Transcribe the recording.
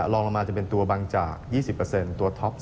ลองลงมาจะเป็นตัวบางจาก๒๐ตัวท็อป